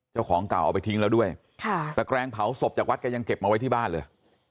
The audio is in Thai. เจ้าของเก่าเอาไปทิ้งแล้วด้วยค่ะตะแกรงเผาศพจากวัดแกยังเก็บมาไว้ที่บ้านเลย